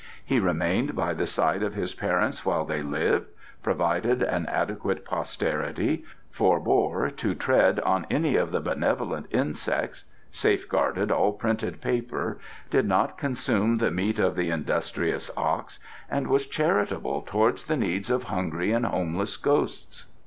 He remained by the side of his parents while they lived, provided an adequate posterity, forbore to tread on any of the benevolent insects, safeguarded all printed paper, did not consume the meat of the industrious ox, and was charitable towards the needs of hungry and homeless ghosts."